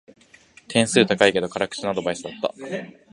点数高いけど辛口なアドバイスだった